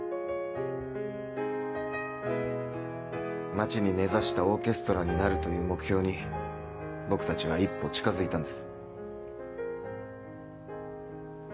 町に根差したオーケストラになるという目標に僕たちは一歩近づいたんです。